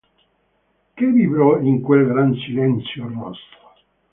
Che vibrò in quel gran silenzio rosso.